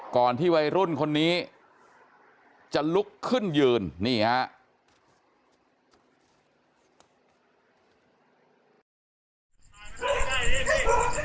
ก่อนที่วัยรุ่นคนนี้จะลุกขึ้นยืนนี่ครับ